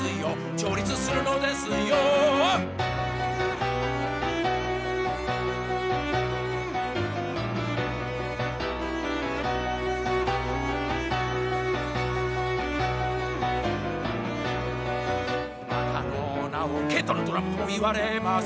調律するのですよまたの名をケトルドラムともいわれます